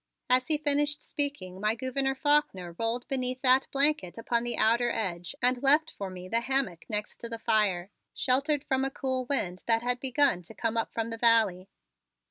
As he finished speaking my Gouverneur Faulkner rolled beneath that blanket upon the outer edge and left for me the hammock next to the fire, sheltered from a cool wind that had begun to come up from the valley.